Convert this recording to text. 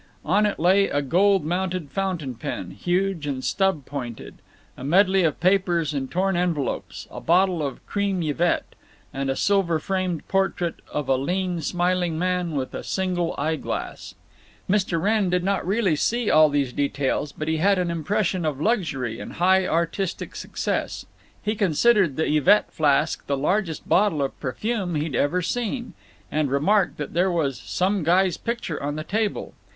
On it lay a gold mounted fountain pen, huge and stub pointed; a medley of papers and torn envelopes, a bottle of Creme Yvette, and a silver framed portrait of a lean smiling man with a single eye glass. Mr. Wrenn did not really see all these details, but he had an impression of luxury and high artistic success. He considered the Yvette flask the largest bottle of perfume he'd ever seen; and remarked that there was "some guy's picture on the table."